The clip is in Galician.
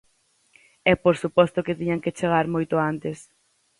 E por suposto que tiñan que chegar moito antes.